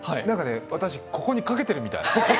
私、ここにかけてるみたい。